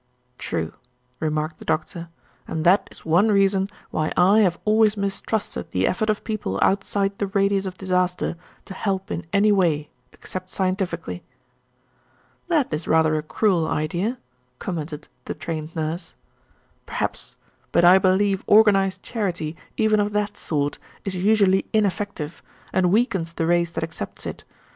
"True," remarked the Doctor, "and that is one reason why I have always mistrusted the effort of people outside the radius of disaster to help in anyway, except scientifically." "That is rather a cruel idea," commented the Trained Nurse. "Perhaps. But I believe organized charity even of that sort is usually ineffective, and weakens the race that accepts it.